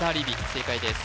正解です